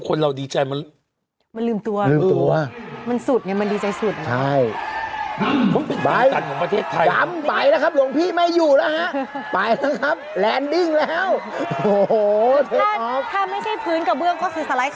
ไปแล้วค่ะพี่หลวงพี่นี่ดูอีกครั้งครับ